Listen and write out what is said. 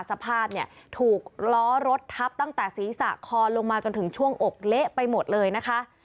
สภาพเนี่ยถูกล้อรถทับตั้งแต่ศีรษะคอลงมาจนถึงช่วงอกเละไปหมดเลยนะคะ